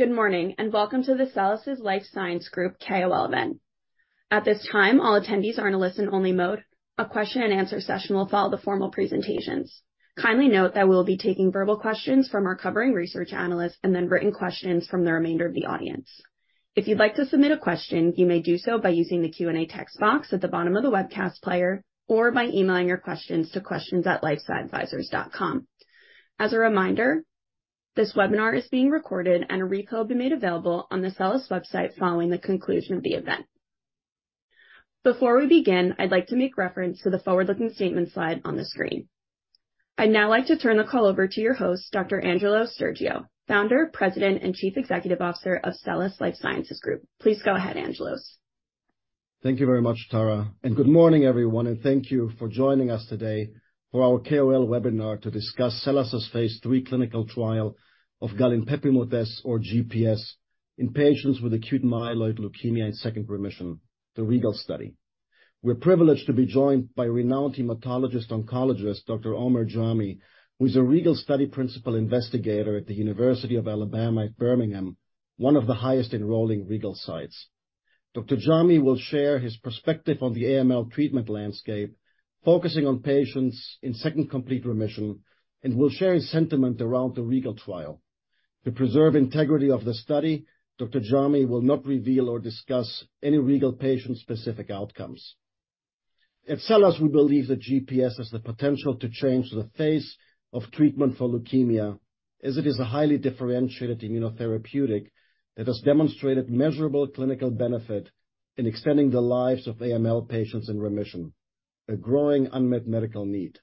Good morning, welcome to the SELLAS Life Sciences Group KOL event. At this time, all attendees are in a listen-only mode. A question and answer session will follow the formal presentations. Kindly note that we'll be taking verbal questions from our covering research analysts and then written questions from the remainder of the audience. If you'd like to submit a question, you may do so by using the Q&A text box at the bottom of the webcast player, or by emailing your questions to questions@lifesciadvisors.com. As a reminder, this webinar is being recorded and a replay will be made available on the SELLAS website following the conclusion of the event. Before we begin, I'd like to make reference to the forward-looking statement slide on the screen. I'd now like to turn the call over to your host, Dr. Angelos Stergiou, founder, President, and Chief Executive Officer of SELLAS Life Sciences Group. Please go ahead, Angelos. Thank you very much, Tara. Good morning, everyone, and thank you for joining us today for our KOL webinar to discuss SELLAS' Phase III clinical trial of galinpepimut-S or GPS in patients with acute myeloid leukemia in second remission, the REGAL study. We're privileged to be joined by renowned hematologist oncologist, Dr. Omer Jamy, who's a REGAL study principal investigator at the University of Alabama at Birmingham, one of the highest enrolling REGAL sites. Dr. Jamy will share his perspective on the AML treatment landscape, focusing on patients in second complete remission and will share his sentiment around the REGAL trial. To preserve integrity of the study, Dr. Jamy will not reveal or discuss any REGAL patient-specific outcomes. At SELLAS, we believe that GPS has the potential to change the face of treatment for leukemia as it is a highly differentiated immunotherapeutic that has demonstrated measurable clinical benefit in extending the lives of AML patients in remission, a growing unmet medical need.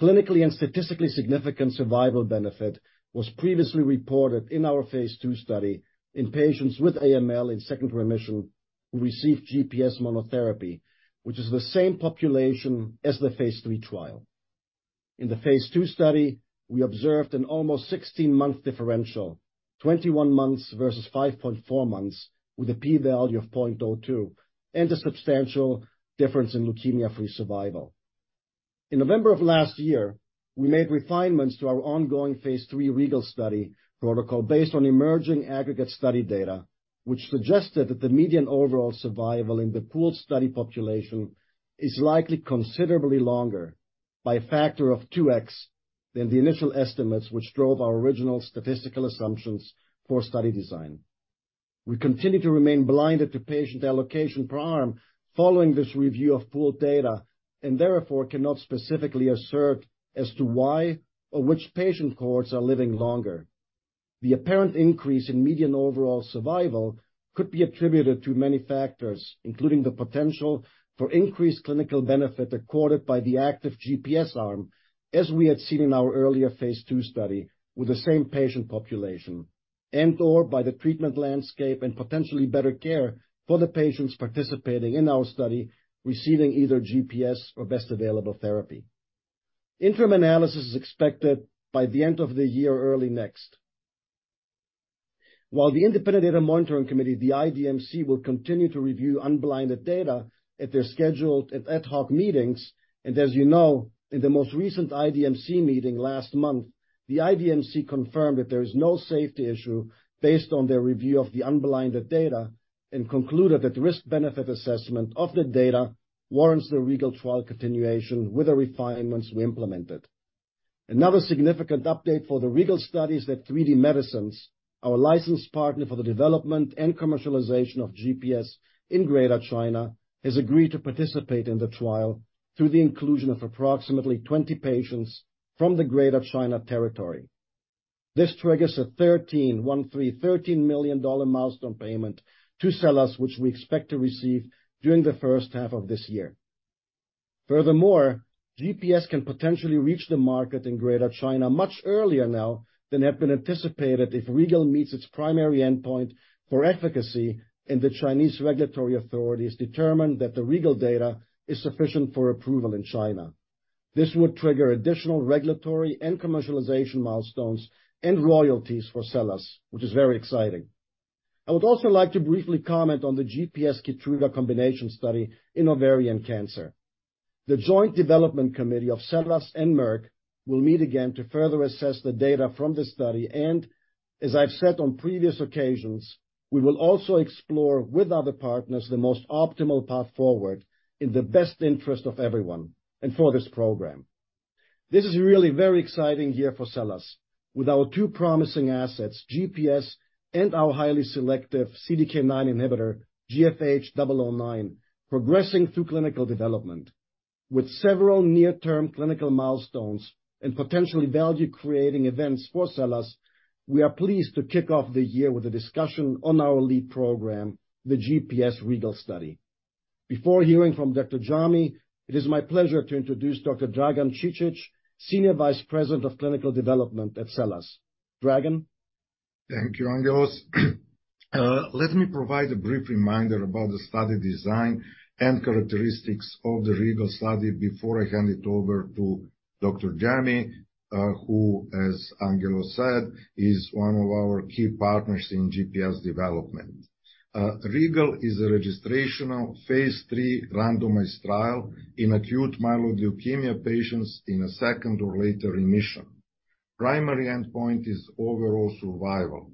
Clinically and statistically significant survival benefit was previously reported in our Phase II study in patients with AML in second remission who received GPS monotherapy, which is the same population as the Phase III trial. In the Phase II study, we observed an almost 16-month differential, 21 months versus 5.4 months with a p-value of 0.02, and a substantial difference in leukemia-free survival. In November of last year, we made refinements to our ongoing Phase III REGAL study protocol based on emerging aggregate study data, which suggested that the median overall survival in the pooled study population is likely considerably longer by a factor of 2x than the initial estimates which drove our original statistical assumptions for study design. We continue to remain blinded to patient allocation per arm following this review of pooled data, and therefore cannot specifically assert as to why or which patient cohorts are living longer. The apparent increase in median overall survival could be attributed to many factors, including the potential for increased clinical benefit accorded by the active GPS arm, as we had seen in our earlier Phase II study with the same patient population, and or by the treatment landscape and potentially better care for the patients participating in our study receiving either GPS or best available therapy. Interim analysis is expected by the end of the year or early next. While the Independent Data Monitoring Committee, the IDMC, will continue to review unblinded data at their scheduled ad hoc meetings, and as in the most recent IDMC meeting last month, the IDMC confirmed that there is no safety issue based on their review of the unblinded data and concluded that risk-benefit assessment of the data warrants the REGAL trial continuation with the refinements we implemented. Another significant update for the REGAL study is that 3D Medicines, our licensed partner for the development and commercialization of GPS in Greater China, has agreed to participate in the trial through the inclusion of approximately 20 patients from the Greater China territory. This triggers a $13 million milestone payment to SELLAS, which we expect to receive during the first half of this year. Furthermore, GPS can potentially reach the market in Greater China much earlier now than had been anticipated if REGAL meets its primary endpoint for efficacy and the Chinese regulatory authorities determine that the REGAL data is sufficient for approval in China. This would trigger additional regulatory and commercialization milestones and royalties for SELLAS, which is very exciting. I would also like to briefly comment on the GPS Keytruda combination study in ovarian cancer. The Joint Development Committee of SELLAS and Merck will meet again to further assess the data from this study and, as I've said on previous occasions, we will also explore with other partners the most optimal path forward in the best interest of everyone and for this program. This is a really very exciting year for SELLAS. With our two promising assets, GPS and our highly selective CDK9 inhibitor, GFH009, progressing through clinical development. With several near-term clinical milestones and potentially value-creating events for SELLAS, we are pleased to kick off the year with a discussion on our lead program, the GPS REGAL study. Before hearing from Dr. Jamy, it is my pleasure to introduce Dr. Dragan Cicic, Senior Vice President of Clinical Development at SELLAS. Dragan? Thank you, Angelos. Let me provide a brief reminder about the study design and characteristics of the REGAL study before I hand it over to Dr. Jamy, who, as Angelos said, is one of our key partners in GPS development. REGAL is a registrational Phase III randomized trial in acute myeloid leukemia patients in a second or later remission. Primary endpoint is overall survival.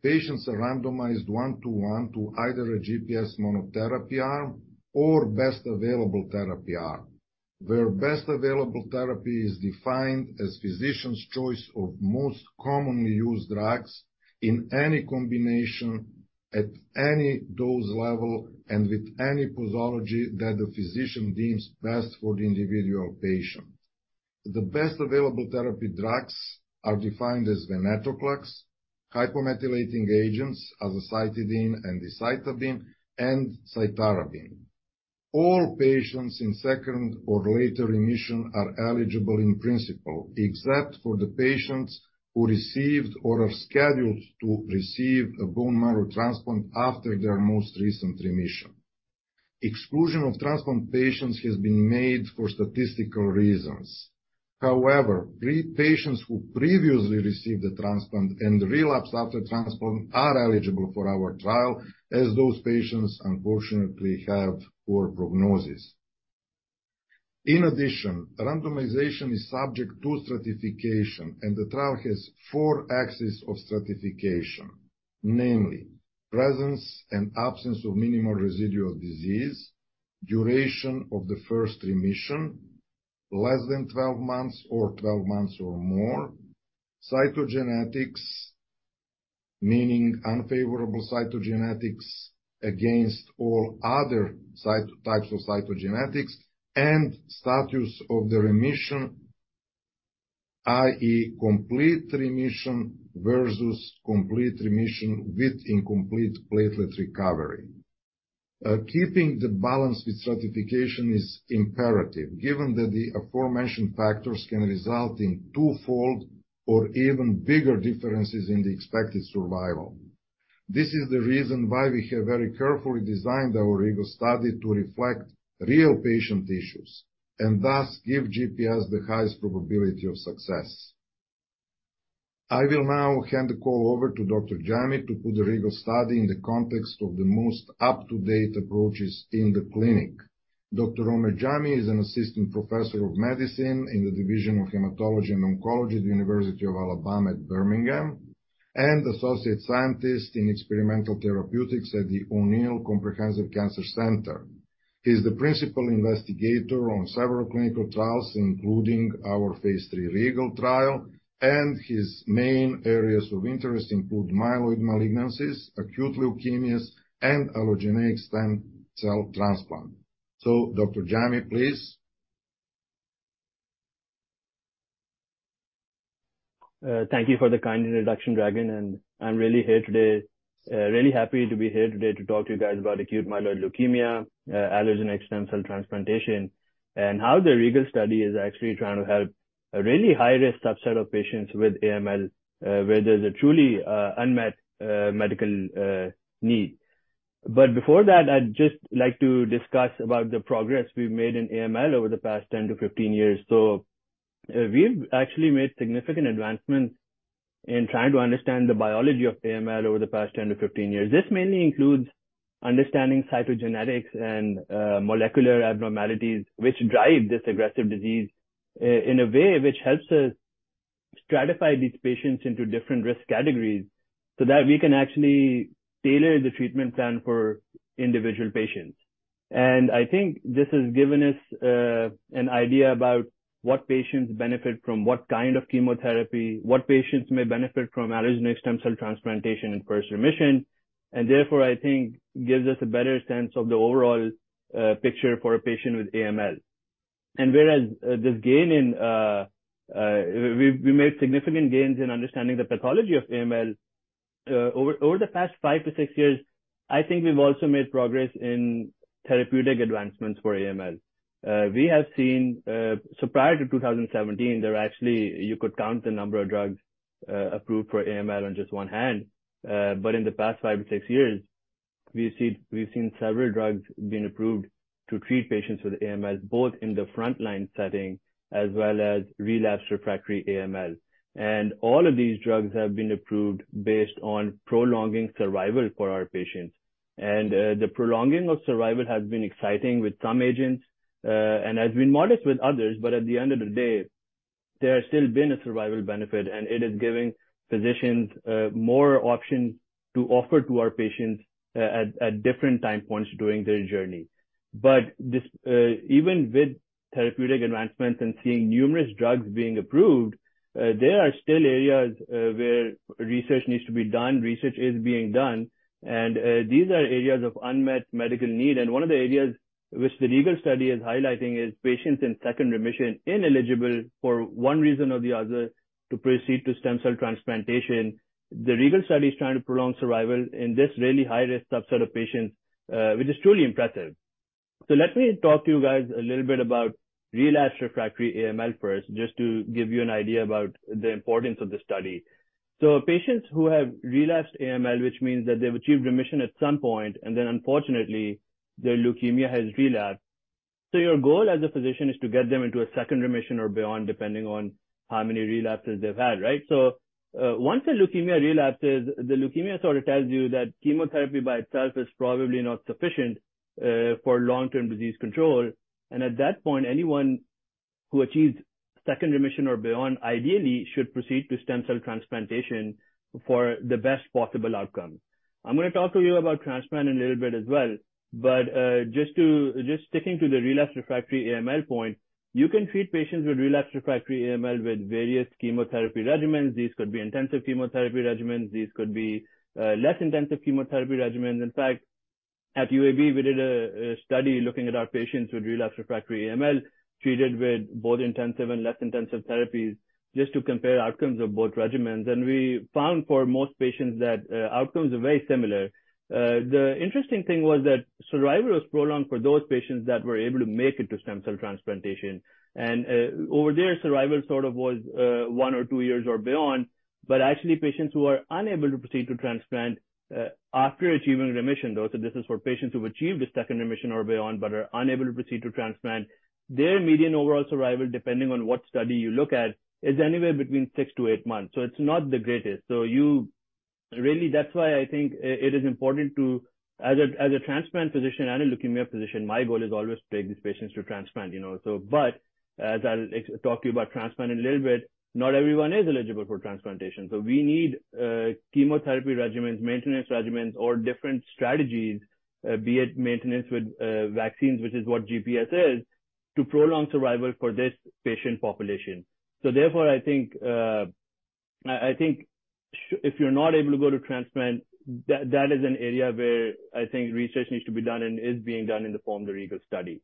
Patients are randomized 1-to-1 to either a GPS monotherapy arm or best available therapy arm, where best available therapy is defined as physician's choice of most commonly used drugs in any combination, at any dose level, and with any pathology that the physician deems best for the individual patient. The best available therapy drugs are defined as venetoclax, hypomethylating agents, azacitidine and decitabine, and cytarabine. All patients in second or later remission are eligible in principle, except for the patients who received or are scheduled to receive a bone marrow transplant after their most recent remission. Exclusion of transplant patients has been made for statistical reasons. However, pre-patients who previously received a transplant and relapsed after transplant are eligible for our trial, as those patients unfortunately have poor prognosis. In addition, randomization is subject to stratification, and the trial has 4 axes of stratification, namely presence and absence of minimal residual disease, duration of the first remission, less than 12 months or 12 months or more, cytogenetics, meaning unfavorable cytogenetics against all other types of cytogenetics, and status of the remission, i.e., complete remission versus complete remission with incomplete platelet recovery. Keeping the balance with stratification is imperative given that the aforementioned factors can result in two-fold or even bigger differences in the expected survival. This is the reason why we have very carefully designed our REGAL study to reflect real patient issues and thus give GPS the highest probability of success. I will now hand the call over to Dr. Jamy to put the REGAL study in the context of the most up-to-date approaches in the clinic. Dr. Omer Jamy is an Assistant Professor of Medicine in the Division of Hematology and Oncology at the University of Alabama at Birmingham, and Associate Scientist in Experimental Therapeutics at the O'Neal Comprehensive Cancer Center. He's the Principal Investigator on several clinical trials, including our Phase III REGAL trial. His main areas of interest include myeloid malignancies, acute leukemias, and allogeneic stem cell transplant. Dr. Jamy, please. Thank you for the kind introduction, Dragan, and I'm really happy to be here today to talk to you guys about acute myeloid leukemia, allogeneic stem cell transplantation, and how the REGAL study is actually trying to help a really high-risk subset of patients with AML, where there's a truly unmet medical need. Before that, I'd just like to discuss about the progress we've made in AML over the past 10 to 15 years. We've actually made significant advancements in trying to understand the biology of AML over the past 10 to 15 years. This mainly includes understanding cytogenetics and molecular abnormalities which drive this aggressive disease in a way which helps us stratify these patients into different risk categories so that we can actually tailor the treatment plan for individual patients. I think this has given us an idea about what patients benefit from what kind of chemotherapy, what patients may benefit from allogeneic stem cell transplantation in first remission, and therefore, I think gives us a better sense of the overall picture for a patient with AML. Whereas, this gain in we made significant gains in understanding the pathology of AML, over the past five to six years, I think we've also made progress in therapeutic advancements for AML. We have seen. Prior to 2017, there were actually, you could count the number of drugs approved for AML on just one hand. In the past five or six years, we've seen several drugs being approved to treat patients with AML, both in the frontline setting as well as relapsed refractory AML. All of these drugs have been approved based on prolonging survival for our patients. The prolonging of survival has been exciting with some agents and has been modest with others, but at the end of the day, there has still been a survival benefit, and it is giving physicians more options to offer to our patients at different time points during their journey. This, even with therapeutic advancements and seeing numerous drugs being approved, there are still areas where research needs to be done, research is being done, and these are areas of unmet medical need. One of the areas which the REGAL study is highlighting is patients in second remission ineligible for one reason or the other to proceed to stem cell transplantation. The REGAL study is trying to prolong survival in this really high-risk subset of patients, which is truly impressive. Let me talk to you guys a little bit about relapsed refractory AML first, just to give you an idea about the importance of the study. Patients who have relapsed AML, which means that they've achieved remission at some point and then unfortunately their leukemia has relapsed. Your goal as a physician is to get them into a second remission or beyond, depending on how many relapses they've had, right? Once a leukemia relapses, the leukemia sort of tells you that chemotherapy by itself is probably not sufficient for long-term disease control. At that point, anyone who achieves second remission or beyond ideally should proceed to stem cell transplantation for the best possible outcome. I'm going to talk to you about transplant in a little bit as well, just sticking to the relapse refractory AML point, you can treat patients with relapse refractory AML with various chemotherapy regimens. These could be intensive chemotherapy regimens, these could be less intensive chemotherapy regimens. In fact, at UAB, we did a study looking at our patients with relapse refractory AML treated with both intensive and less intensive therapies just to compare outcomes of both regimens. We found for most patients that outcomes are very similar. The interesting thing was that survival was prolonged for those patients that were able to make it to stem cell transplantation. Over there, survival sort of was 1 or 2 years or beyond. Actually, patients who are unable to proceed to transplant after achieving remission though, so this is for patients who've achieved a second remission or beyond but are unable to proceed to transplant, their median overall survival, depending on what study you look at, is anywhere between 6 to 8 months. It's not the greatest. Really, that's why I think it is important to, as a, as a transplant physician and a leukemia physician, my goal is always to take these patients to transplant, But as I'll talk to you about transplant in a little bit, not everyone is eligible for transplantation. We need chemotherapy regimens, maintenance regimens, or different strategies, be it maintenance with vaccines, which is what GPS is, to prolong survival for this patient population. Therefore, I think, I think if you're not able to go to transplant, that is an area where I think research needs to be done and is being done in the form of the REGAL study.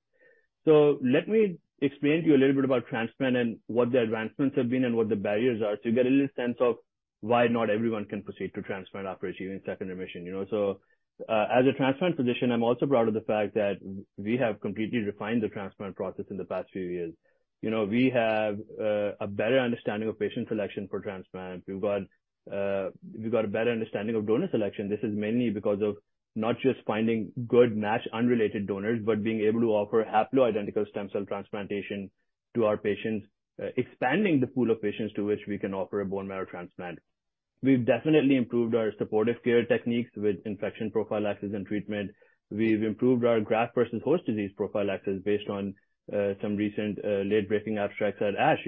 Let me explain to you a little bit about transplant and what the advancements have been and what the barriers are, so you get a little sense of why not everyone can proceed to transplant after achieving second remission, As a transplant physician, I'm also proud of the fact that we have completely refined the transplant process in the past few years. we have a better understanding of patient selection for transplant. We've got a better understanding of donor selection. This is mainly because of not just finding good match unrelated donors, but being able to offer haploidentical stem cell transplantation to our patients, expanding the pool of patients to which we can offer a bone marrow transplant. We've definitely improved our supportive care techniques with infection prophylaxis and treatment. We've improved our graft versus host disease prophylaxis based on some recent late-breaking abstracts at ASH.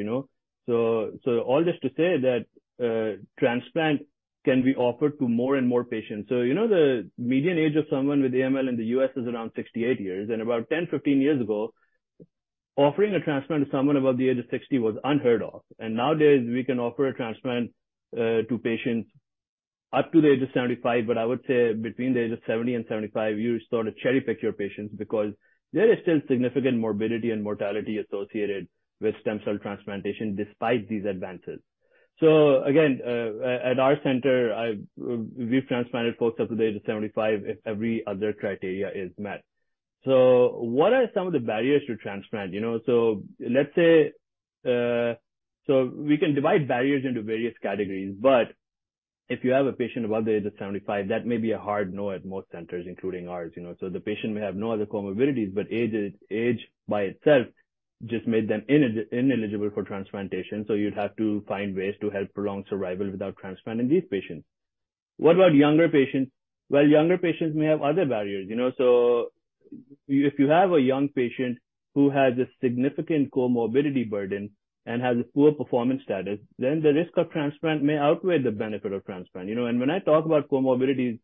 All just to say that transplant can be offered to more and more patients. The median age of someone with AML in the U.S. is around 68 years, and about 10, 15 years ago, offering a transplant to someone above the age of 60 was unheard of. Nowadays we can offer a transplant to patients up to the age of 75, but I would say between the age of 70 and 75, you sort of cherry-pick your patients because there is still significant morbidity and mortality associated with stem cell transplantation despite these advances. Again, at our center, we've transplanted folks up to the age of 75 if every other criteria is met. What are some of the barriers to transplant,? Let's say, we can divide barriers into various categories, but if you have a patient above the age of 75, that may be a hard no at most centers, including ours. The patient may have no other comorbidities, but age by itself just made them ineligible for transplantation, so you'd have to find ways to help prolong survival without transplanting these patients. What about younger patients? Younger patients may have other barriers, If you have a young patient who has a significant comorbidity burden and has a poor performance status, then the risk of transplant may outweigh the benefit of transplant, When I talk about comorbidities,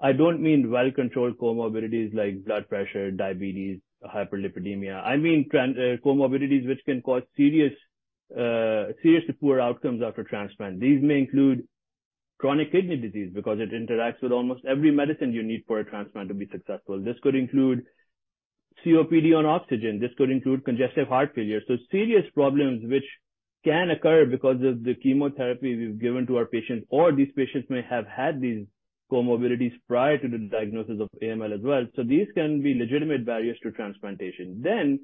I don't mean well-controlled comorbidities like blood pressure, diabetes, hyperlipidemia. I mean comorbidities which can cause serious, seriously poor outcomes after transplant. These may include chronic kidney disease because it interacts with almost every medicine you need for a transplant to be successful. This could include COPD on oxygen. This could include congestive heart failure. Serious problems which can occur because of the chemotherapy we've given to our patients, or these patients may have had these comorbidities prior to the diagnosis of AML as well. These can be legitimate barriers to transplantation.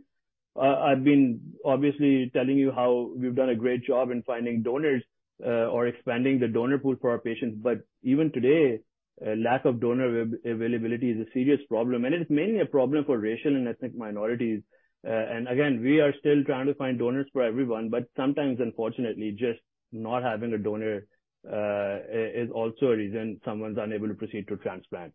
I've been obviously telling you how we've done a great job in finding donors, or expanding the donor pool for our patients, but even today, a lack of donor availability is a serious problem, and it is mainly a problem for racial and ethnic minorities. Again, we are still trying to find donors for everyone, but sometimes, unfortunately, just not having a donor, is also a reason someone's unable to proceed to transplant.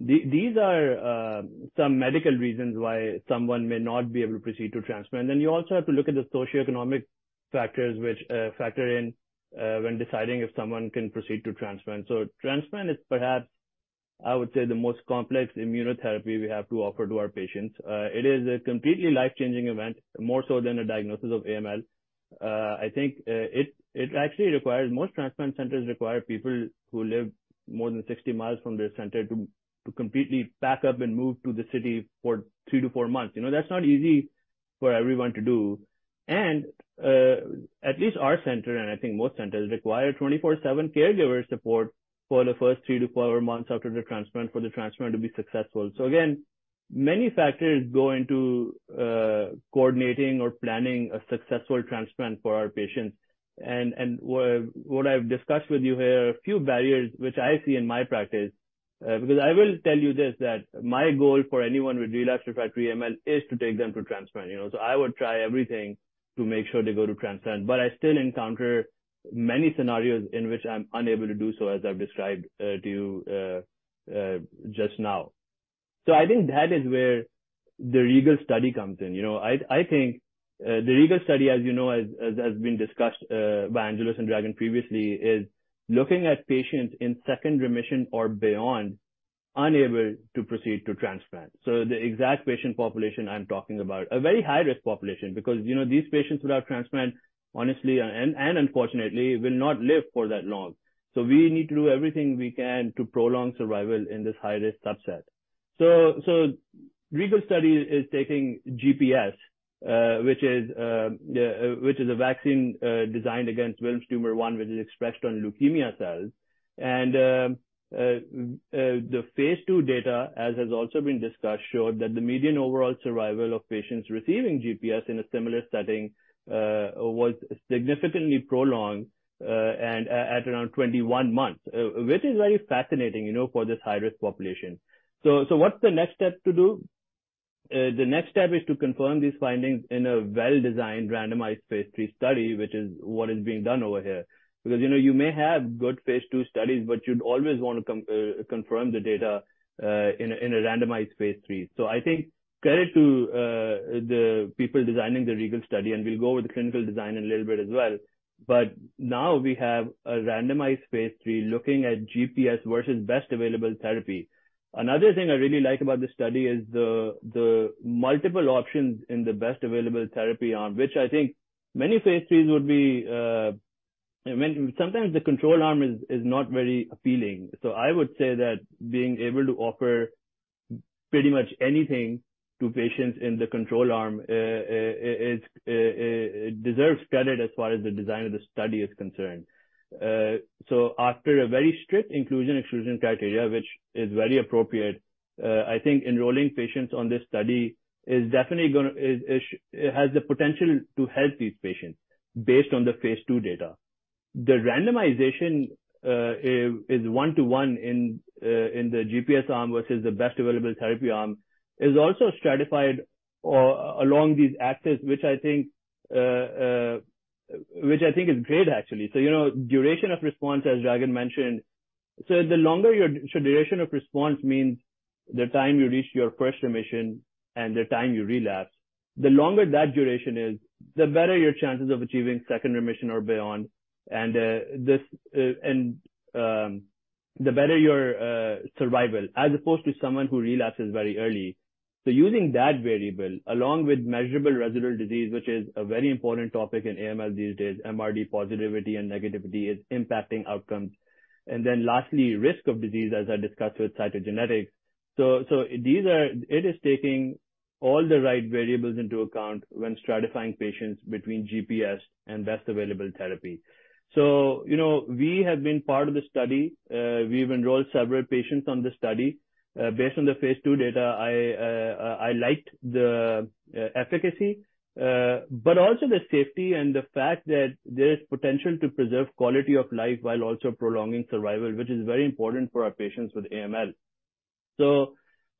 These are some medical reasons why someone may not be able to proceed to transplant. You also have to look at the socioeconomic factors which factor in when deciding if someone can proceed to transplant. Transplant is perhaps, I would say, the most complex immunotherapy we have to offer to our patients. It is a completely life-changing event, more so than a diagnosis of AML. I think, Most transplant centers require people who live more than 60 miles from their center to completely pack up and move to the city for 3-4 months. That's not easy for everyone to do. At least our center, and I think most centers, require 24/7 caregiver support for the first 3-4 months after the transplant for the transplant to be successful. Again, many factors go into coordinating or planning a successful transplant for our patients. What, what I've discussed with you here, a few barriers which I see in my practice, because I will tell you this, that my goal for anyone with relapsed refractory AML is to take them to transplant. I would try everything to make sure they go to transplant. But I still encounter many scenarios in which I'm unable to do so, as I've described to you just now. I think that is where the REGAL study comes in. I think, the REGAL study, as been discussed by Angelos and Dragan previously, is looking at patients in second remission or beyond, unable to proceed to transplant. The exact patient population I'm talking about. A very high-risk population because these patients without transplant, honestly, and unfortunately, will not live for that long. We need to do everything we can to prolong survival in this high-risk subset. REGAL study is taking GPS, which is a vaccine designed against Wilms Tumor 1, which is expressed on leukemia cells. The Phase II data, as has also been discussed, showed that the median overall survival of patients receiving GPS in a similar setting, was significantly prolonged, and at around 21 months, which is very fascinating for this high-risk population. What's the next step to do? The next step is to confirm these findings in a well-designed randomized Phase III study, which is what is being done over here. you may have good phase two studies, but you'd always want to confirm the data in a randomized phase three. I think credit to the people designing the REGAL study, and we'll go over the clinical design in a little bit as well. Now we have a randomized phase three looking at GPS versus best available therapy. Another thing I really like about this study is the multiple options in the best available therapy arm, which I think many phase threes would be. I mean, sometimes the control arm is not very appealing. I would say that being able to offer pretty much anything to patients in the control arm deserves credit as far as the design of the study is concerned. After a very strict inclusion/exclusion criteria, which is very appropriate, I think enrolling patients on this study definitely it has the potential to help these patients based on the Phase II data. The randomization is 1-to-1 in the GPS arm versus the best available therapy arm. Is also stratified or along these axes, which I think is great actually. duration of response, as Dragan mentioned. Duration of response means the time you reach your first remission and the time you relapse, the longer that duration is, the better your chances of achieving second remission or beyond. The better your survival, as opposed to someone who relapses very early. Using that variable, along with measurable residual disease, which is a very important topic in AML these days, MRD positivity and negativity is impacting outcomes. Lastly, risk of disease, as I discussed with cytogenetics. It is taking all the right variables into account when stratifying patients between GPS and best available therapy. We have been part of the study. We've enrolled several patients on the study. Based on the Phase II data, I liked the efficacy, but also the safety and the fact that there's potential to preserve quality of life while also prolonging survival, which is very important for our patients with AML.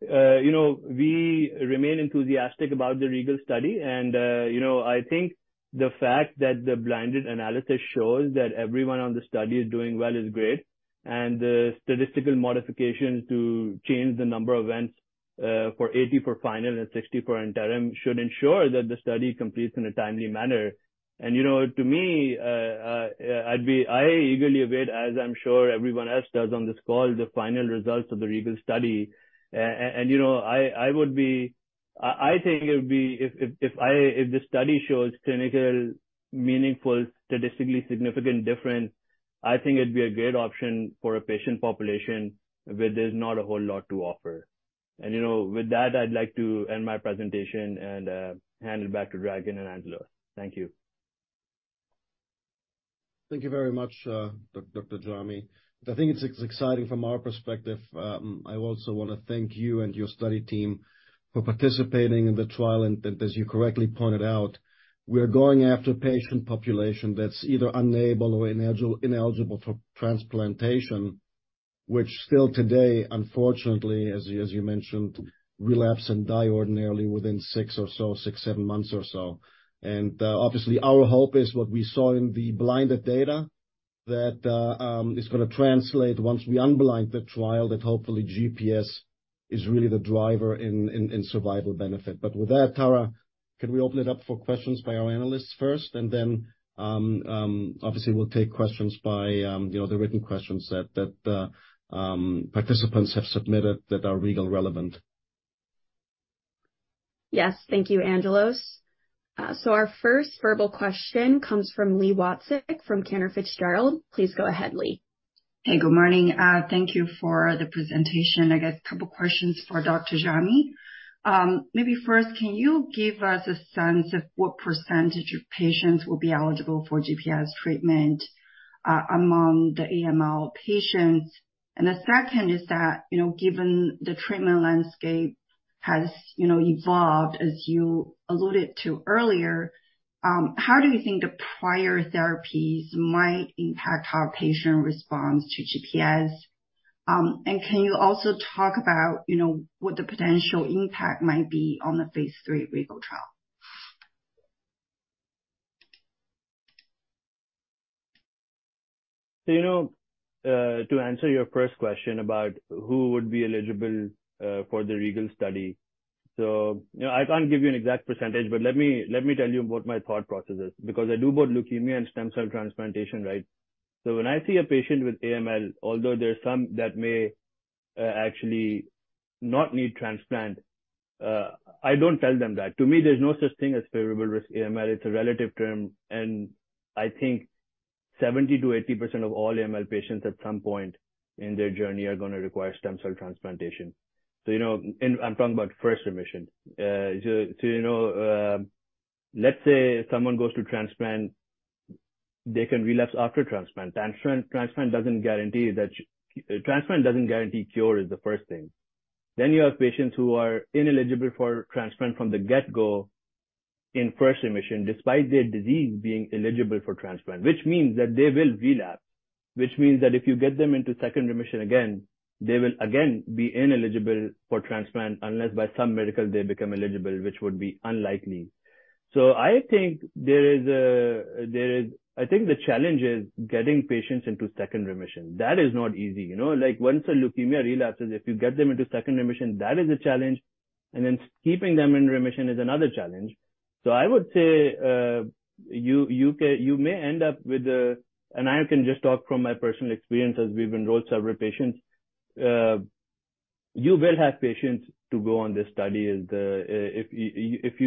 we remain enthusiastic about the REGAL study and I think the fact that the blinded analysis shows that everyone on the study is doing well is great. The statistical modifications to change the number of events, for 80 for final and 60 for interim should ensure that the study completes in a timely manner. To me, I eagerly await, as I'm sure everyone else does on this call, the final results of the REGAL study. I would be I think it would be If the study shows clinical meaningful statistically significant difference, I think it'd be a great option for a patient population where there's not a whole lot to offer. with that, I'd like to end my presentation and hand it back to Dragan and Angelos. Thank you. Thank you very much, Dr. Jamy. I think it's exciting from our perspective. I also want to thank you and your study team for participating in the trial. As you correctly pointed out, we're going after a patient population that's either unable or ineligible for transplantation, which still today, unfortunately, as you mentioned, relapse and die ordinarily within six, seven months or so. Obviously, our hope is what we saw in the blinded data that is going to translate once we unblind the trial, that hopefully GPS is really the driver in survival benefit. With that, Tara, can we open it up for questions by our analysts first? Obviously we'll take questions by the written questions that participants have submitted that are REGAL relevant. Yes. Thank you, Angelos. Our first verbal question comes from Li Watsek from Cantor Fitzgerald. Please go ahead, Lee. Hey, good morning. Thank you for the presentation. I got a couple questions for Dr. Jamy. Maybe first, can you give us a sense of what percentage of patients will be eligible for GPS treatment among the AML patients? The second is that given the treatment landscapehas evolved as you alluded to earlier. How do you think the prior therapies might impact how a patient responds to GPS? Can you also talk about what the potential impact might be on the phase three REGAL trial? to answer your first question about who would be eligible for the REGAL study. I can't give you an exact percentage, but let me tell you what my thought process is, because I do both leukemia and stem cell transplantation, right? When I see a patient with AML, although there are some that may actually not need transplant, I don't tell them that. To me, there's no such thing as favorable-risk AML. It's a relative term, and I think 70%-80% of all AML patients at some point in their journey are going to require stem cell transplantation. I'm talking about first remission. Let's say someone goes to transplant, they can relapse after transplant. Transplant doesn't guarantee that... Transplant doesn't guarantee cure is the first thing. You have patients who are ineligible for transplant from the get-go in first remission, despite their disease being eligible for transplant, which means that they will relapse. Which means that if you get them into second remission again, they will again be ineligible for transplant unless by some miracle they become eligible, which would be unlikely. I think the challenge is getting patients into second remission. That is not easy. Like once a leukemia relapses, if you get them into second remission, that is a challenge. Keeping them in remission is another challenge. I would say, you can, you may end up with. I can just talk from my personal experience as we've enrolled several patients. You will have patients to go on this study as the, if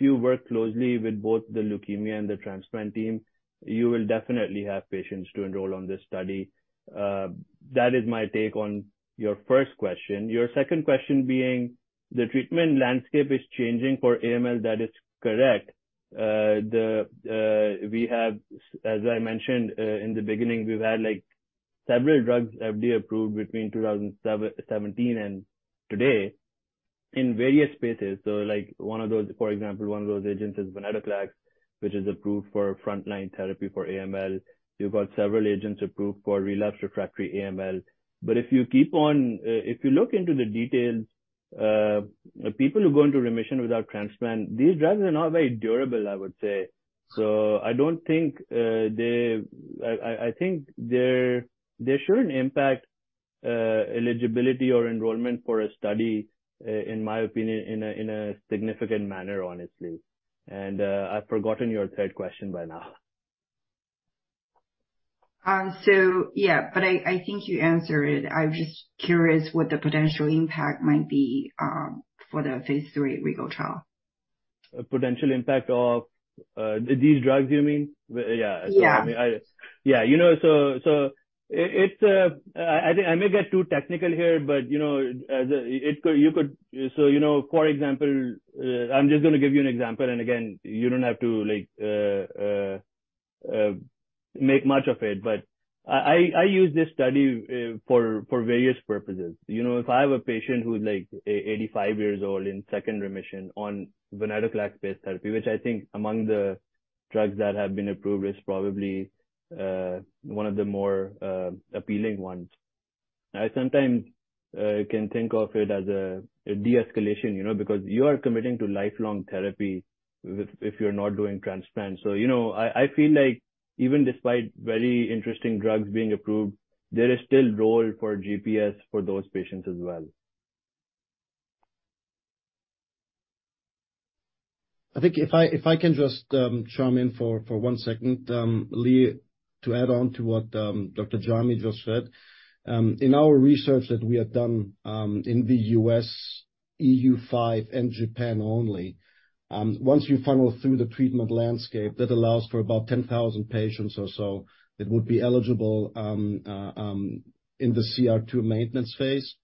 you work closely with both the leukemia and the transplant team, you will definitely have patients to enroll on this study. That is my take on your first question. Your second question being the treatment landscape is changing for AML. That is correct. We have, as I mentioned, in the beginning, we've had, like, several drugs FDA-approved between 2017 and today in various spaces. Like one of those, for example, one of those agents is venetoclax, which is approved for frontline therapy for AML. You've got several agents approved for relapsed refractory AML. If you keep on, if you look into the details, people who go into remission without transplant, these drugs are not very durable, I would say. I don't think they shouldn't impact eligibility or enrollment for a study in my opinion, in a significant manner, honestly. I've forgotten your third question by now. Yeah, but I think you answered it. I'm just curious what the potential impact might be for the phase three REGAL trial. A potential impact of these drugs, you mean? Yeah. Yeah. Yeah. so it's, I may get too technical here, but you could. For example, I'm just going to give you an example. Again, you don't have to like, make much of it, but I use this study, for various purposes. if I have a patient who's like 85 years old in second remission on venetoclax-based therapy, which I think among the drugs that have been approved is probably, one of the more appealing ones. I sometimes, can think of it as a de-escalation because you are committing to lifelong therapy if you're not doing transplant. I feel like even despite very interesting drugs being approved, there is still role for GPS for those patients as well. I think if I can just, for 1 second, Lee, to add on to what Dr. Jamy just said. In our research that we have done, in the U.S., EU 5, and Japan only, once you funnel through the treatment landscape, that allows for about 10,000 patients or so that would be eligible in the CR2 maintenance phase.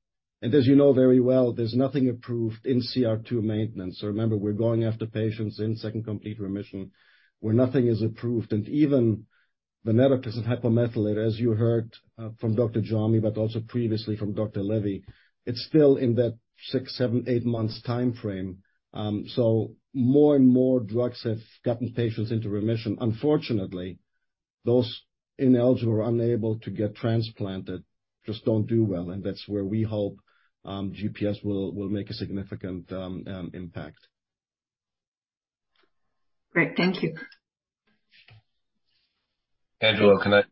As very well, there's nothing approved in CR2 maintenance. Remember, we're going after patients in second complete remission where nothing is approved. Even venetoclax and hypomethylate, as you heard from Dr. Jamy, but also previously from Levi Garraway, it's still in that 6, 7, 8 months timeframe. More and more drugs have gotten patients into remission. Unfortunately, those ineligible or unable to get transplanted just don't do well, that's where we hope GPS will make a significant impact. Great. Thank you. Angelo, can I-.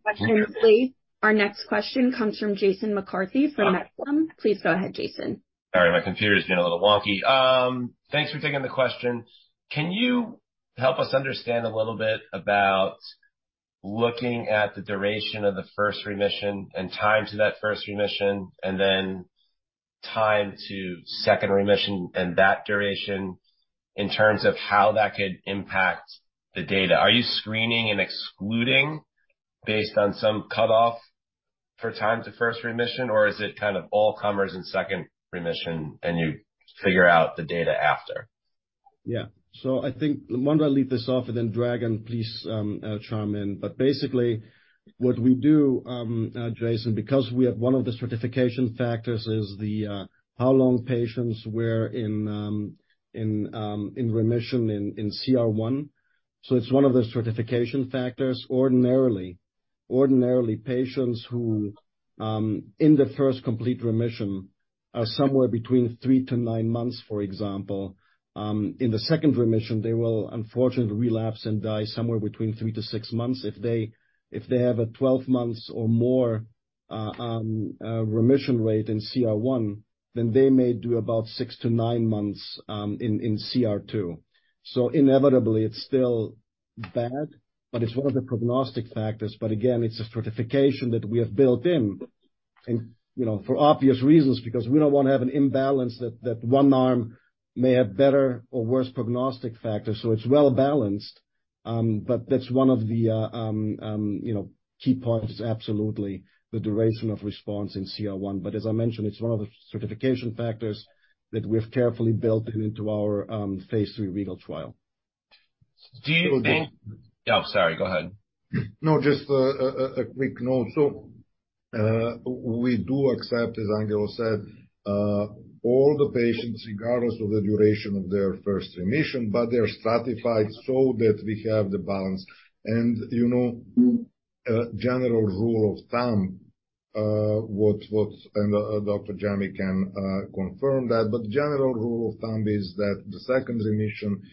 Our next question comes from Jason McCarthy from Aegis. Please go ahead, Jason. Sorry, my computer's being a little wonky. Thanks for taking the question. Can you help us understand a little bit about looking at the duration of the first remission and time to that first remission, and then time to second remission and that duration in terms of how that could impact the data? Are you screening and excluding based on some cutoff for time to first remission, or is it kind of all comers in second remission and you figure out the data after? I think, Mondo, lead this off and then Dragan, please, chime in. Basically what we do, Jason, because we have one of the stratification factors is the how long patients were in remission in CR1. It's one of the stratification factors. Ordinarily, patients who in the first complete remission are somewhere between 3 to 9 months, for example, in the second remission, they will unfortunately relapse and die somewhere between 3 to 6 months. If they have a 12 months or more remission rate in CR1, then they may do about 6 to 9 months in CR2. Inevitably it's still bad, but it's one of the prognostic factors. Again, it's a stratification that we have built in and for obvious reasons, because we don't want to have an imbalance that one arm may have better or worse prognostic factors, so it's well-balanced. That's one of the key points, absolutely, the duration of response in CR1. As I mentioned, it's one of the certification factors that we've carefully built into our Phase III REGAL trial. Oh, sorry. Go ahead. No, just a quick note. We do accept, as Angelos said, all the patients regardless of the duration of their first remission, but they're stratified so that we have the balance. General rule of thumb, what Dr. Jamy can confirm that. The general rule of thumb is that the second remission is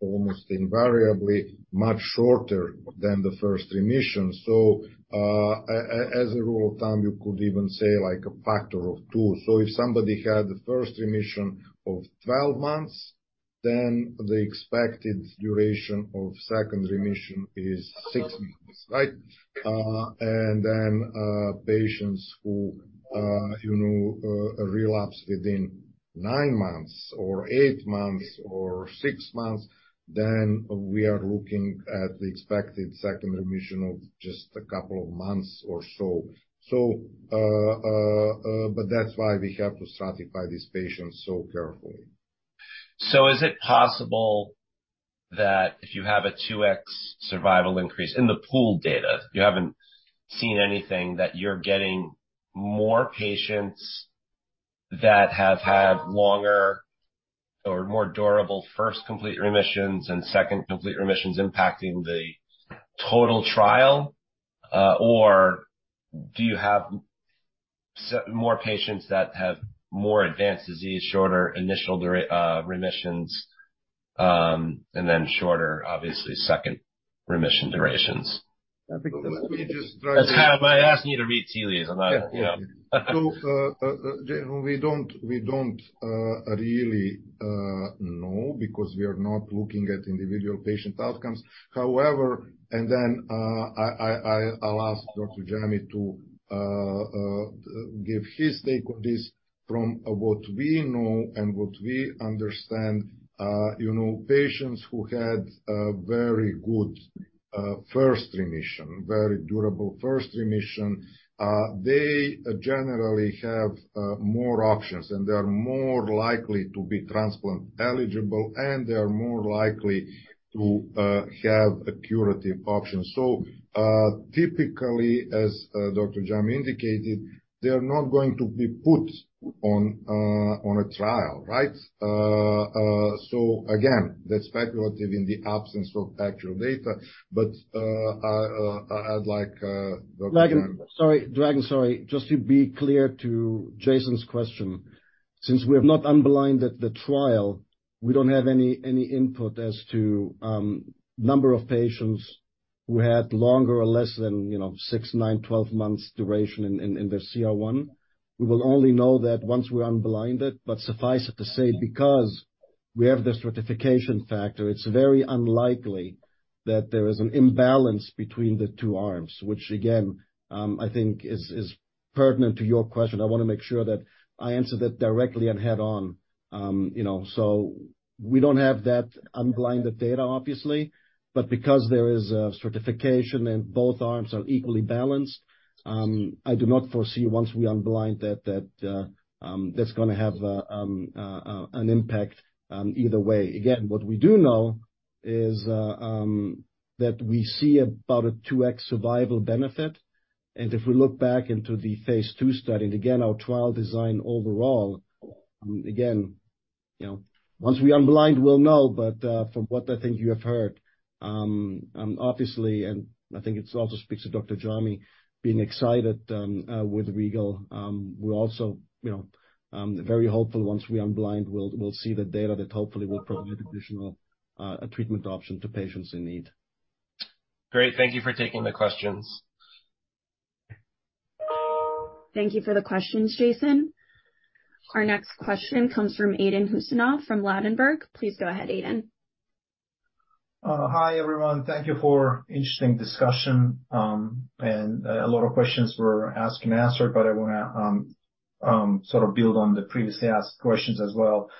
almost invariably much shorter than the first remission. As a rule of thumb, you could even say like a factor of 2. If somebody had the first remission of 12 months, the expected duration of second remission is 6 months, right? Patients who relapse within 9 months or 8 months or 6 months, we are looking at the expected second remission of just a couple of months or so. But that's why we have to stratify these patients so carefully. Is it possible that if you have a 2x survival increase in the pool data, you haven't seen anything that you're getting more patients that have had longer or more durable first complete remissions and second complete remissions impacting the total trial? Or do you have more patients that have more advanced disease, shorter initial remissions, and then shorter, obviously, second remission durations? I think Let me just. That's why I'm asking you to read tea leaves. I'm not. We don't really know because we are not looking at individual patient outcomes. However, I'll ask Dr. Jamy to give his take on this from what we know and what we understand. patients who had a very good first remission, very durable first remission, they generally have more options, they are more likely to be transplant eligible, they are more likely to have a curative option. Typically, as Dr. Jamy indicated, they are not going to be put on a trial, right? Again, that's speculative in the absence of actual data. I'd like Dr. Jamy. Sorry, Dragan. Just to be clear to Jason's question, since we have not unblinded the trial, we don't have any input to number of patients who had longer or less than 6, 9, 12 months duration in the CR1. We will only know that once we're unblind it. Suffice it to say, because we have the stratification factor, it's very unlikely that there is an imbalance between the two arms, which again, I think is pertinent to your question. I want to make sure that I answer that directly and head on. We don't have that unblinded data, obviously. Because there is a stratification and both arms are equally balanced, I do not foresee once we unblind that's going to have an impact either way. What we do know is that we see about a 2x survival benefit. If we look back into the Phase II study, and again our trial design overall, again once we unblind we'll know. From what I think you have heard, obviously, and I think it also speaks to Dr. Jamy being excited with REGAL. We're also very hopeful once we unblind, we'll see the data that hopefully will provide additional treatment option to patients in need. Great. Thank you for taking the questions. Thank you for the questions, Jason. Our next question comes from Aydin Huseynov from Ladenburg. Please go ahead, Aydin. Hi, everyone. Thank you for interesting discussion. A lot of questions were asked and answered, but I want to sort of build on the previously asked questions as well.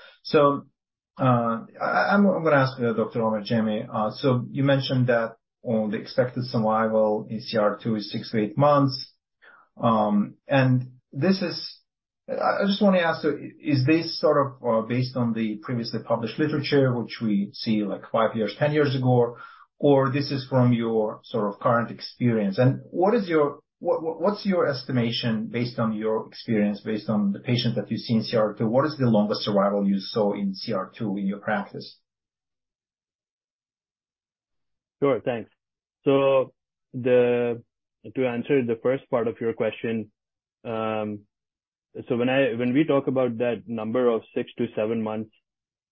I'm going to ask Dr. Omer Jamy. You mentioned that the expected survival in CR2 is 6 to 8 months. I just want to ask, is this sort of based on the previously published literature which we see like 5 years, 10 years ago, or this is from your sort of current experience? What is your estimation based on your experience, based on the patients that you've seen CR2, what is the longest survival you saw in CR2 in your practice? Sure. Thanks. To answer the first part of your question, when we talk about that number of 6 to 7 months,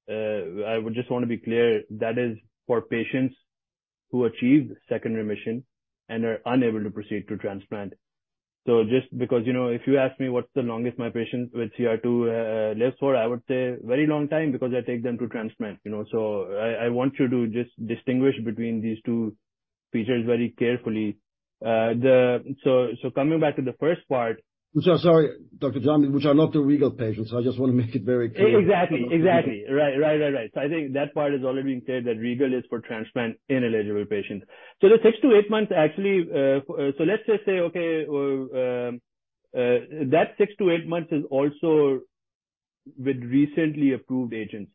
I would just want to be clear, that is for patients who achieved second remission and are unable to proceed to transplant. Just because if you ask me what's the longest my patient with CR2 lives for, I would say very long time because I take them to transplant. I want you to just distinguish between these 2 features very carefully. Coming back to the first part. Sorry, Dr. Jamy, which are not the REGAL patients. I just want to make it very clear. Exactly. Exactly. Right. Right. Right. Right. I think that part has already been cleared, that REGAL is for transplant ineligible patients. The 6-8 months actually, let's just say, okay, that 6-8 months is also with recently approved agents.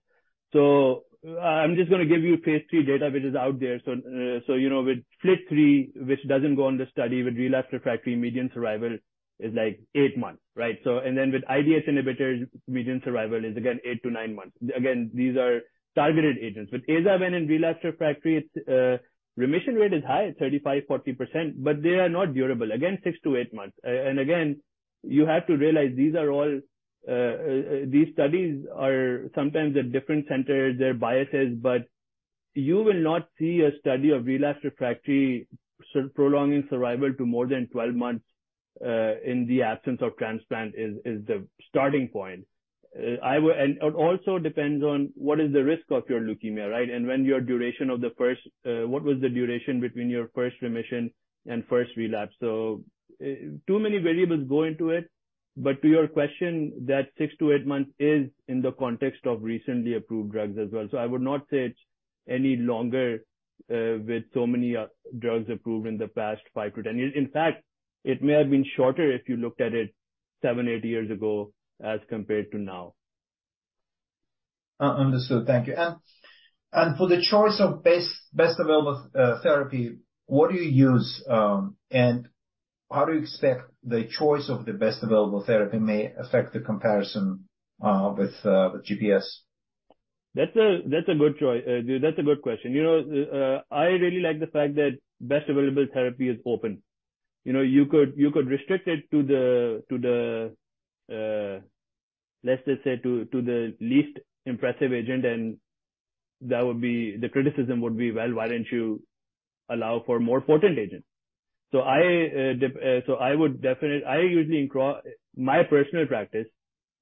I'm just going to give you Phase III data which is out there. With FLT3, which doesn't go on the study with relapsed refractory, median survival is, like, 8 months, right? With IDH inhibitors, median survival is again 8-9 months. Again, these are targeted agents. With AZA-ven in relapsed refractory, its remission rate is high, 35%-40%, but they are not durable. Again, 6-8 months. Again, you have to realize these are all, these studies are sometimes at different centers, there are biases, but you will not see a study of relapsed refractory prolonging survival to more than 12 months, in the absence of transplant is the starting point. It also depends on what is the risk of your leukemia, right? What was the duration between your first remission and first relapse. Too many variables go into it, but to your question, that 6-8 months is in the context of recently approved drugs as well. I would not say it's any longer, with so many, drugs approved in the past 5-10 years. In fact, it may have been shorter if you looked at it seven, eight years ago as compared to now. Understood. Thank you. For the choice of best available therapy, what do you use, and how do you expect the choice of the best available therapy may affect the comparison with GPS? That's a good choice. That's a good question. I really like the fact that best available therapy is open. You could restrict it to the, to the least impressive agent, and that would be. The criticism would be, "Well, why don't you allow for more potent agent?" I, de So I would definite... I usually encrou My personal practice,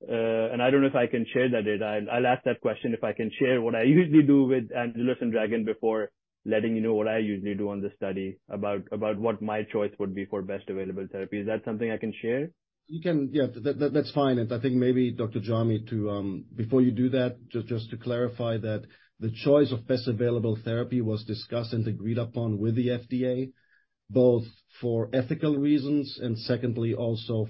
and I don't know if I can share that data. I'll ask that question if I can share what I usually do with Angelos and Dragan before letting what I usually do on this study about what my choice would be for best available therapy. Is that something I can share? You can, yeah. That's fine. I think maybe Dr. Jamy to, before you do that, just to clarify that the choice of best available therapy was discussed and agreed upon with the FDA, both for ethical reasons and secondly also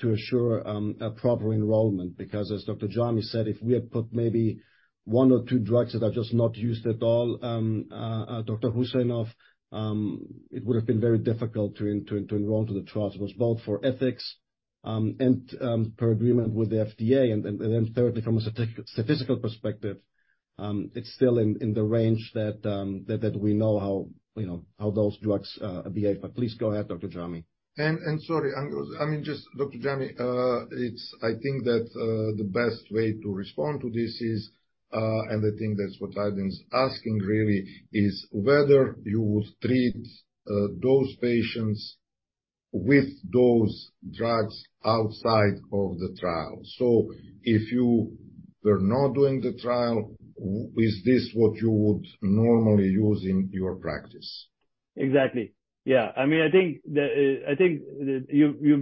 to assure a proper enrollment. Because as Dr. Jamy said, if we had put maybe 1 or 2 drugs that are just not used at all, Dr. Huseynov, it would have been very difficult to enroll to the trials. It was both for ethics and per agreement with the FDA, thirdly from a statistical perspective, it's still in the range that we know how how those drugs behave. Please go ahead, Dr. Jamy. Sorry, Angelos. I mean, just Dr. Jamy, it's, I think that the best way to respond to this is, and I think that's what Ivan's asking really, is whether you would treat those patients with those drugs outside of the trial. If you were not doing the trial, with this what you would normally use in your practice? Exactly. Yeah. I mean, I think the, I think you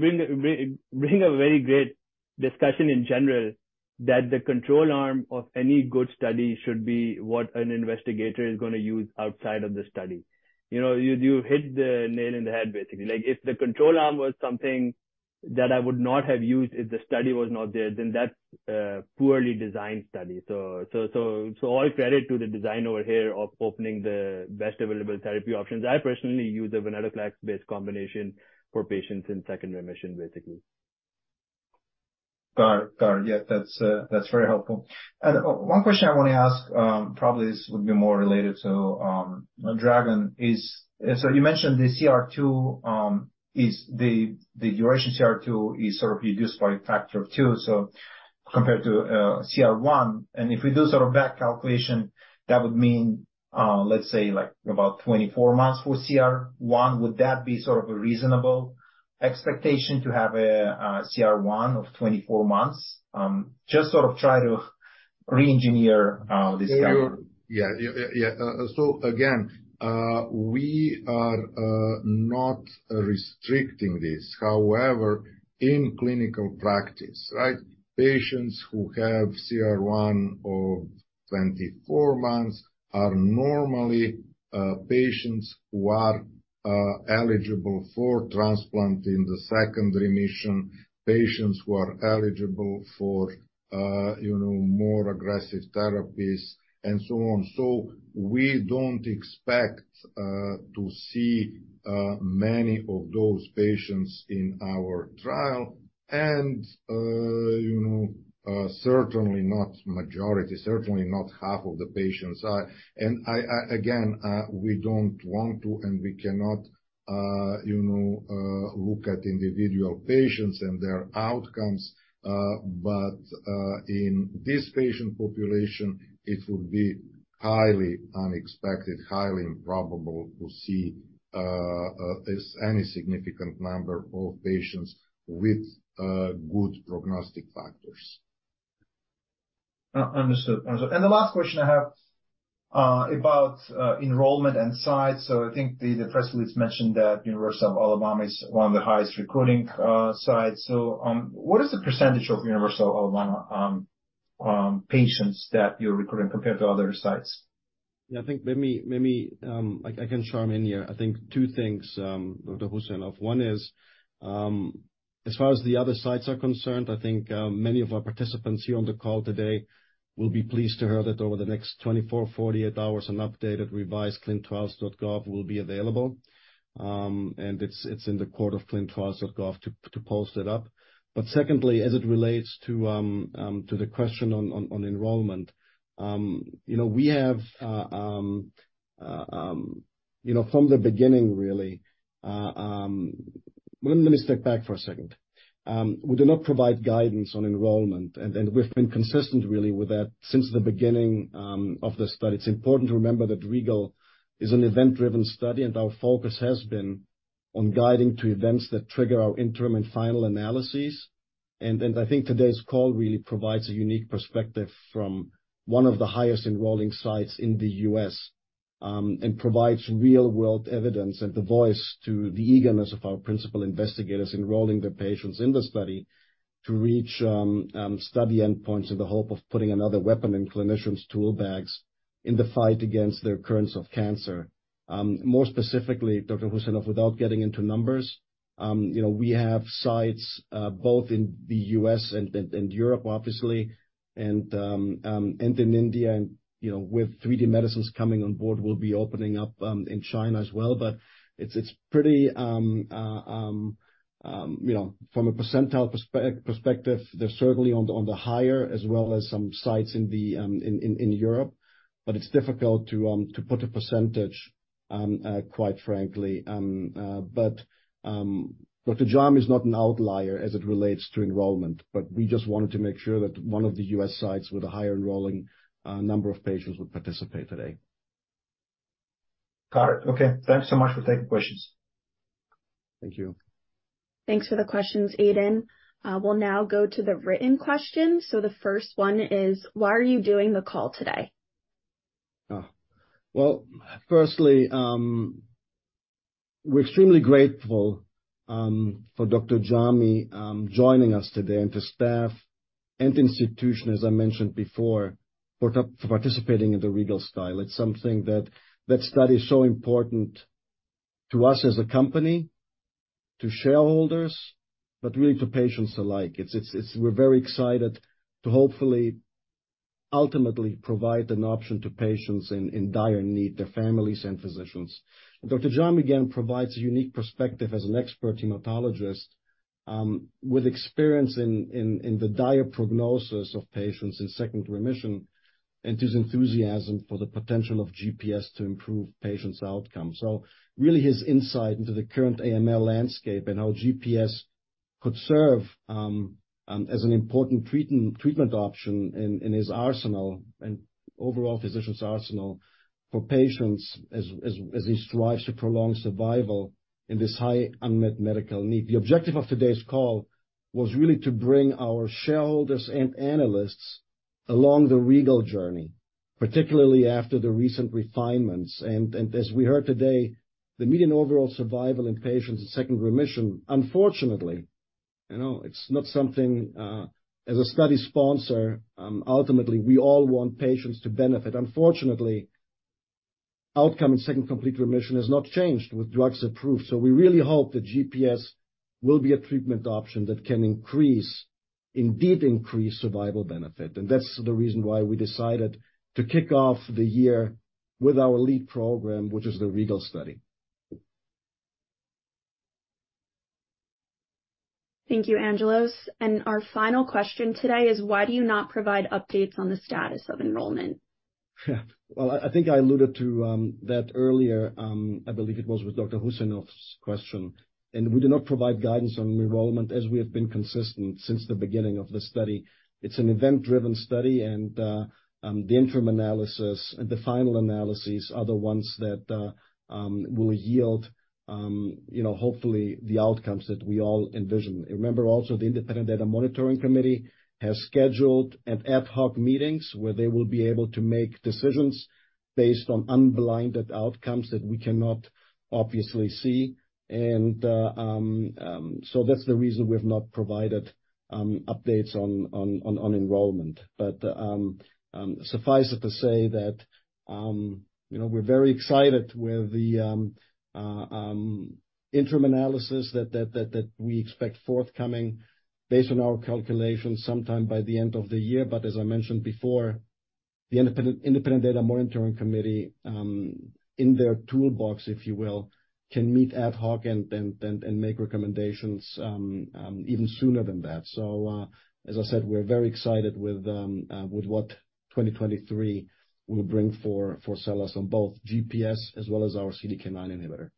bring a very great discussion in general that the control arm of any good study should be what an investigator is going to use outside of the study. you hit the nail in the head, basically. Like, if the control arm was something that I would not have used if the study was not there, then that's a poorly designed study. All credit to the designer here of opening the best available therapy options. I personally use a Venetoclax-based combination for patients in second remission, basically. Got it. Got it. Yeah. That's, that's very helpful. One question I want to ask, probably would be more related to Dragon, is: You mentioned the CR2, is the duration CR2 is sort of reduced by a factor of 2, compared to CR1. If we do sort of back calculation, that would mean, let's say like about 24 months for CR1, would that be sort of a reasonable expectation to have a CR1 of 24 months? Just sort of try to re-engineer this study. Yeah. Yeah. Yeah. Again, we are not restricting this. However, in clinical practice, right, patients who have CR1 of 24 months are normally patients who are Eligible for transplant in the second remission, patients who are eligible for more aggressive therapies and so on. We don't expect to see many of those patients in our trial. Certainly not majority, certainly not half of the patients are. Again, we don't want to, and we cannot look at individual patients and their outcomes, but in this patient population, it would be highly unexpected, highly improbable to see this, any significant number of patients with good prognostic factors. Understood. Understood. The last question I have about enrollment and sites. I think the press release mentioned that University of Alabama is one of the highest recruiting sites. What is the percentage of University of Alabama patients that you're recruiting compared to other sites? Yeah, I think maybe, I can chime in here. I think two things, Dr. Huseynov. One is, as far as the other sites are concerned, I think many of our participants here on the call today will be pleased to hear that over the next 24, 48 hours, an updated revised ClinicalTrials.gov will be available. It's in the court of ClinicalTrials.gov to post it up. Secondly, as it relates to the question on enrollment we have from the beginning really. Let me step back for a second. We do not provide guidance on enrollment, and we've been consistent really with that since the beginning of the study. It's important to remember that REGAL is an event-driven study, and our focus has been on guiding to events that trigger our interim and final analyses. I think today's call really provides a unique perspective from one of the highest enrolling sites in the U.S. and provides real-world evidence and the voice to the eagerness of our principal investigators enrolling the patients in the study to reach study endpoints in the hope of putting another weapon in clinicians' tool bags in the fight against the recurrence of cancer. More specifically, Dr. Huseynov, without getting into numbers we have sites both in the U.S. and Europe, obviously, and in India. with 3D Medicines coming on board, we'll be opening up in China as well. It's pretty from a percentile perspective, they're certainly on the higher as well as some sites in Europe. It's difficult to put a percentage quite frankly. Dr. Jamy is not an outlier as it relates to enrollment, but we just wanted to make sure that one of the U.S. sites with a higher enrolling number of patients would participate today. Got it. Okay. Thanks so much for taking the questions. Thank you. Thanks for the questions, Aidan. We'll now go to the written questions. The first one is, why are you doing the call today? Well, firstly, we're extremely grateful for Dr. Jamy joining us today and to staff and institution, as I mentioned before, for participating in the REGAL study. It's something that study is so important to us as a company, to shareholders, but really to patients alike. We're very excited to hopefully ultimately provide an option to patients in dire need, their families and physicians. Dr. Jamy, again, provides a unique perspective as an expert hematologist with experience in the dire prognosis of patients in second remission and his enthusiasm for the potential of GPS to improve patients' outcomes. Really his insight into the current AML landscape and how GPS could serve as an important treatment option in his arsenal and overall physician's arsenal for patients as he strives to prolong survival in this high unmet medical need. The objective of today's call was really to bring our shareholders and analysts along the REGAL journey, particularly after the recent refinements. As we heard today, the median overall survival in patients in second remission, unfortunately it's not something. As a study sponsor, ultimately, we all want patients to benefit. Unfortunately, outcome in second complete remission has not changed with drugs approved. We really hope that GPS will be a treatment option that can indeed increase survival benefit. That's the reason why we decided to kick off the year with our lead program, which is the REGAL study. Thank you, Angelos. Our final question today is, why do you not provide updates on the status of enrollment? Yeah. Well, I think I alluded to that earlier, I believe it was with Dr. Huseynov's question. We do not provide guidance on enrollment as we have been consistent since the beginning of the study. It's an event-driven study, the interim analysis and the final analyses are the ones that will yield hopefully the outcomes that we all envision. Remember also, the Independent Data Monitoring Committee has scheduled an ad hoc meetings where they will be able to make decisions based on unblinded outcomes that we cannot obviously see. That's the reason we have not provided updates on enrollment. Suffice it to say that we're very excited with the interim analysis that we expect forthcoming based on our calculations sometime by the end of the year. As I mentioned before, the Independent Data Monitoring Committee, in their toolbox, if you will, can meet ad hoc and make recommendations even sooner than that. As I said, we're very excited with what 2023 will bring for SELLAS on both GPS as well as our CDK9 inhibitor.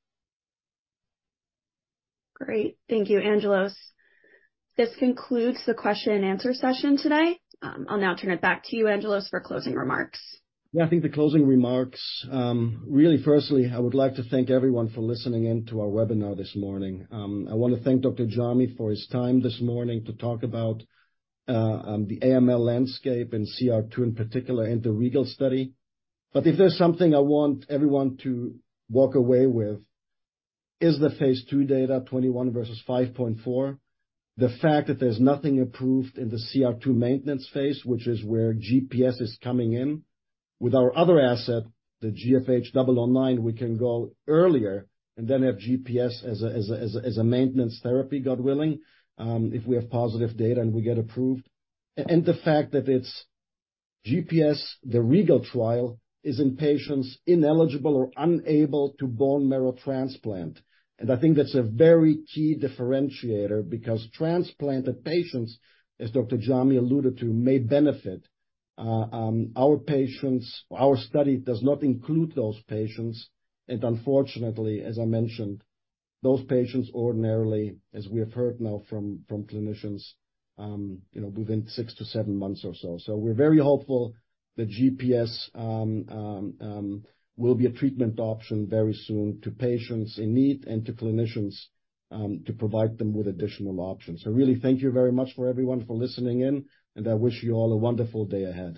Great, thank you, Angelos. This concludes the question and answer session today. I'll now turn it back to you, Angelos, for closing remarks. Yeah, I think the closing remarks, really firstly, I would like to thank everyone for listening in to our webinar this morning. I want to thank Dr. Jamy for his time this morning to talk about the AML landscape and CR2 in particular, and the REGAL study. If there's something I want everyone to walk away with, is the Phase II data, 21 versus 5.4. The fact that there's nothing approved in the CR2 maintenance phase, which is where GPS is coming in. With our other asset, the GFH009, we can go earlier and then have GPS as a maintenance therapy, God willing, if we have positive data and we get approved. The fact that it's GPS, the REGAL trial is in patients ineligible or unable to bone marrow transplant. I think that's a very key differentiator because transplanted patients, as Dr. Jamy alluded to, may benefit. Our study does not include those patients, and unfortunately, as I mentioned, those patients ordinarily, as we have heard now from clinicians within six to seven months or so. We're very hopeful that GPS will be a treatment option very soon to patients in need and to clinicians to provide them with additional options. Really thank you very much for everyone for listening in, and I wish you all a wonderful day ahead.